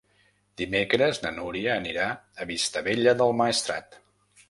Dimecres na Núria anirà a Vistabella del Maestrat.